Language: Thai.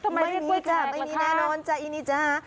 ไม่มีจ้ะไม่มีแน่นอนจ้าอีนิจ้า